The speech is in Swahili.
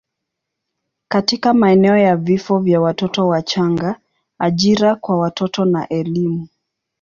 katika maeneo ya vifo vya watoto wachanga, ajira kwa watoto na elimu.